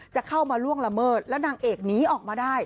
จะเข้ามาล่วงละเมิดแล้วนางเอกหนีออกมาได้